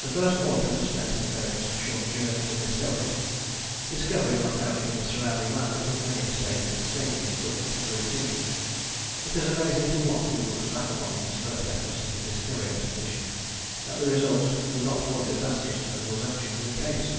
The first autumn was spent in various short journeys of discovery discovery not only of the surrounding land but of many mistakes in sledging equipment and routine. It is amazing to one who looks back upon these first efforts of the Discovery Expedition that the results were not more disastrous than was actually the case.